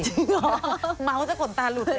จริงเหรอเมาท์จะขนตานุ้ยหลุดเลยอ่ะ